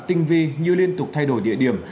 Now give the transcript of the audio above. tinh vi như liên tục thay đổi địa điểm